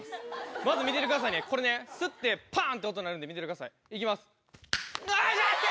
まず見ててくださいね、これね、吸って、ぱーんって音なるんで、見ててください。いきます。